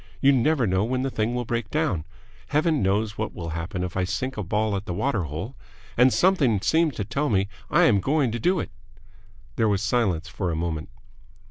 You never know when the thing will break down. Heaven knows what will happen if I sink a ball at the water hole. And something seems to tell me I am going to do it." There was a silence for a moment.